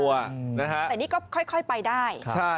ในซึ่งก็ค่อยไปได้